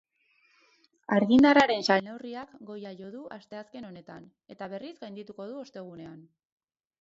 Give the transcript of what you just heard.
Argindarraren salneurriak goia jo du asteazken honetan, eta berriz gaindituko du ostegunean.